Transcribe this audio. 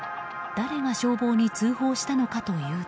誰が消防に通報したのかというと。